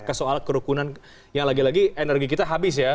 kesoalan kerukunan yang lagi lagi energi kita habis ya